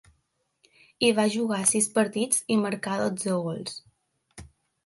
Hi va jugar sis partits, i marcà dotze gols.